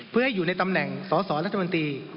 เพื่อให้อยู่ในตำแหน่งสอสอรัฐมนตรี